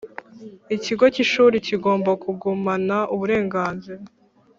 Ikigo cy ishuri kigomba kugumana uburenganzira